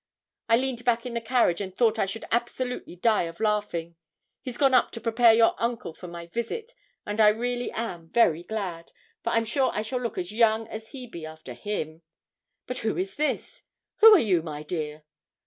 I leaned back in the carriage and thought I should absolutely die of laughing. He's gone up to prepare your uncle for my visit; and I really am very glad, for I'm sure I shall look as young as Hebe after him. But who is this? Who are you, my dear?'